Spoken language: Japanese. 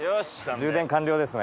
充電完了ですね。